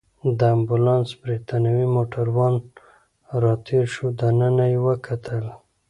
د امبولانس بریتانوی موټروان راتېر شو، دننه يې راوکتل.